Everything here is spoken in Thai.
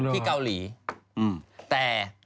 ที่เกาหลีแต่